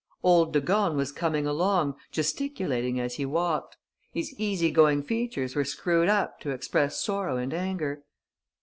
Old de Gorne was coming along, gesticulating as he walked. His easy going features were screwed up to express sorrow and anger.